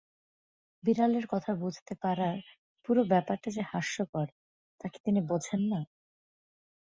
বিড়ালের কথা বুঝতে পারার পুরো ব্যাপারটা যে হাস্যকর তা কি তিনি বোঝেন না?